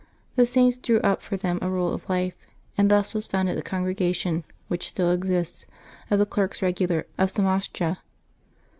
The Saint drew up for them a rule of life and thus was founded the Congrega tion, which still exists, of the Clerks Eegular of Somascha.